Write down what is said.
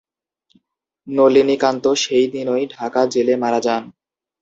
নলিনীকান্ত সেই দিনই ঢাকা জেলে মারা যান।